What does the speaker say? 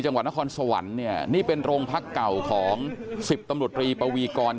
จังหวัดนครสวรรค์เนี่ยนี่เป็นโรงพักเก่าของ๑๐ตำรวจรีปวีกร